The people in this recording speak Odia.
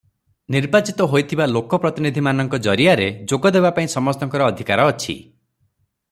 ନିର୍ବାଚିତ ହୋଇଥିବା ଲୋକପ୍ରତିନିଧିମାନଙ୍କ ଜରିଆରେ ଯୋଗ ଦେବା ପାଇଁ ସମସ୍ତଙ୍କର ଅଧିକାର ଅଛି ।